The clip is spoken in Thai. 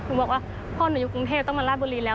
หนูบอกว่าพ่อหนูอยู่กรุงเทพต้องมาราชบุรีแล้ว